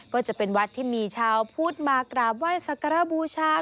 ก็จะเป็นวัดที่มีชาวพุทธมากราบไหว้สักการบูชา